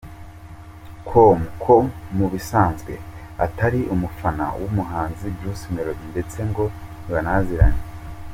com ko mu bisanzwe atari umufana w’umuhanzi Bruce Melody ndetse ngo ntibanaziranye .